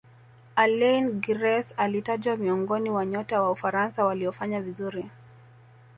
alaine giresse alitajwa miongoni wa nyota wa ufaransa waliofanya vizuri